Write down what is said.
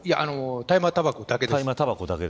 大麻たばこだけです。